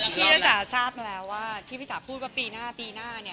พี่จ๋าทราบมาแล้วว่าที่พี่จ๋าพูดว่าปีหน้าปีหน้าเนี่ย